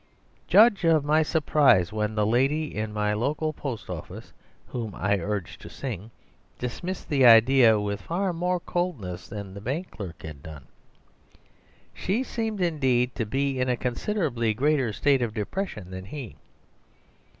Judge of my surprise when the lady in my local post office (whom I urged to sing) dismissed the idea with far more coldness than the bank clerk had done. She seemed indeed, to be in a considerably greater state of depression than he.